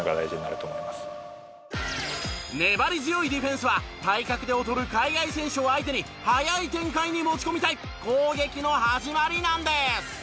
粘り強いディフェンスは体格で劣る海外選手を相手に速い展開に持ち込みたい攻撃の始まりなんです。